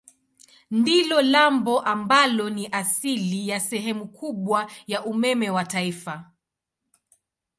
Ndilo lambo ambalo ni asili ya sehemu kubwa ya umeme wa taifa.